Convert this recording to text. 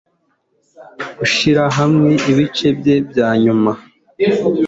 Gushyira hamwe ibice bye bya nyuma